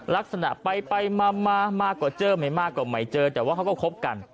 ลักษณะปัดไปมากกว่าเจอมัดมายเจอแต่ว่าเค้าก็คบกัน